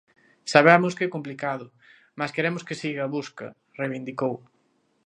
"Sabemos que é complicado, mais queremos que siga a busca", reivindicou.